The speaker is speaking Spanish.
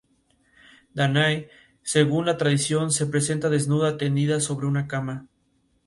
Dánae, según la tradición, se presenta desnuda, tendida sobre una cama.